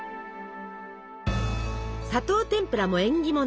砂糖てんぷらも縁起物。